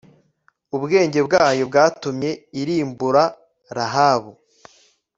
ubwenge bwayo bwatumye irimbura rahabu